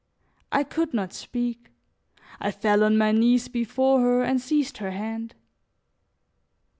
I could not speak, I fell on my knees before her and seized her hand.